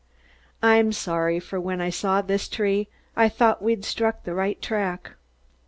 I'm sorry, for when I saw this tree, I thought we'd struck the right track."